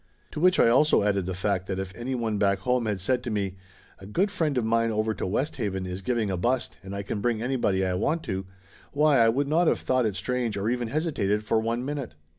To which I also added the fact that if any one back home had said to me "A good friend of mine over to West Haven is giving a bust and I can bring anybody I want to," why I would not of thought it strange or even hesitated for one minute.